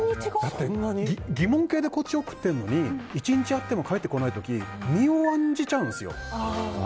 疑問形でこっちは送っているのに１日あっても返ってこない時身を案じちゃうんですよ。